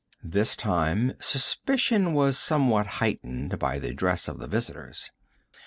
This time, suspicion was somewhat heightened by the dress of the visitors.